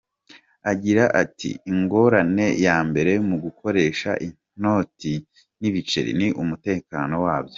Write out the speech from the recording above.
Agira ati “Ingorane ya mbere mu gukoresha inoti n’ibiceri ni umutekano wabyo.